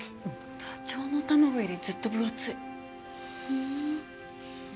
ダチョウの卵よりずっと分厚い。